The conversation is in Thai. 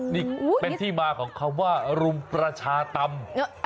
นี่เป็นที่มาของคำว่ารุมประชาธรรม